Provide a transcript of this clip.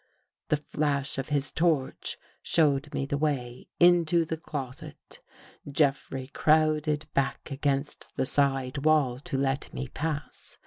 The flash of his torch showed me the way into the closet. Jeffrey crowded back against the side wall to let me pass.